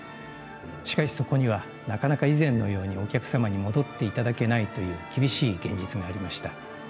しかしそこにはなかなか以前のようにお客様に戻っていただけないという厳しい現実がありました。